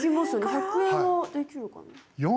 １００円は大丈夫かな。